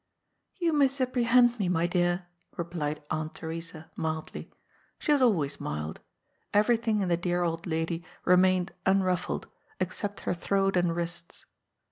" You misapprehend me, my dear," replied Aunt Theresa mildly. She was always mild. Eyerything in the dear old lady remained unruffled, except her throat and wrists.